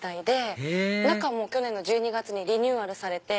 へぇ中も去年の１２月にリニューアルされて。